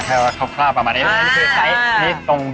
เติมครับเติมนะครับขนาดนี้พอไหมฮะได้ครับ